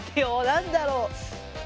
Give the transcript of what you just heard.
何だろう。